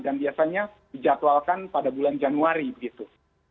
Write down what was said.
dan biasanya dijadwalkan pada bulan januari begitu